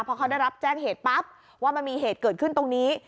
พอเขาได้รับแจ้งเหตุปั๊บว่ามันมีเหตุเกิดขึ้นตรงนี้